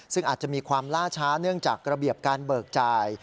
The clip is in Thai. ซึ่งอาจจะมีความล่าช้าเนื่องจากระเบียบการเบิกจ่าย